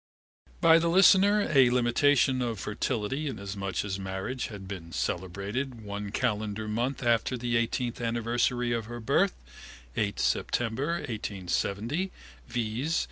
By the listener a limitation of fertility inasmuch as marriage had been celebrated 1 calendar month after the 18th anniversary of her birth (8 September 1870), viz.